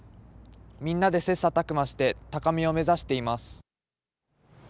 みんなで、せっさたくまして高みを目指しています。